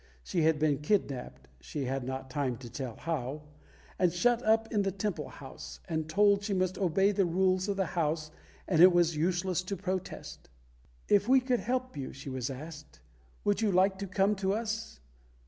She had been kidnapped (she had not time to tell how), and shut up in the Temple house, and told she must obey the rules of the house and it was useless to protest. "If we could help you," she was asked, "would you like to come to us?"